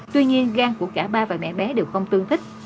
tuy nhiên gan của cả ba và mẹ bé đều không tương thích